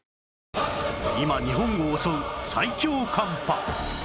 今日本を襲う最強寒波